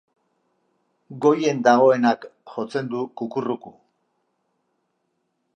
Goien dagoenak jotzen du kukurruku.